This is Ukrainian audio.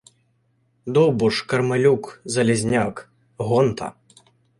Довбуш, Кармелюк, Залізняк, Гонта